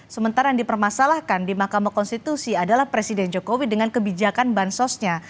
sementara yang dipermasalahkan di mahkamah konstitusi adalah presiden jokowi dengan kebijakan bansosnya